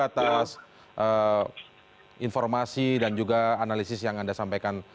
atas informasi dan juga analisis yang anda sampaikan